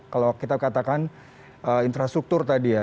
kalau kita katakan infrastruktur tadi ya